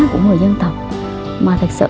của người dân tộc mà thật sự